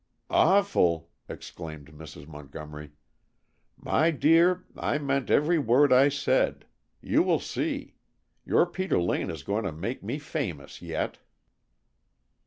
"Awful!" exclaimed Mrs. Montgomery. "My dear, I meant every word I said. You will see! Your Peter Lane is going to make me famous yet!"